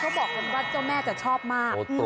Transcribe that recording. เขาบอกว่าเจ้าแม่จะชอบมาก